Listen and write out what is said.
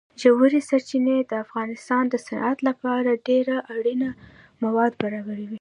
ژورې سرچینې د افغانستان د صنعت لپاره ډېر اړین مواد برابروي.